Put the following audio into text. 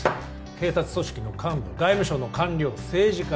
警察組織の幹部外務省の官僚政治家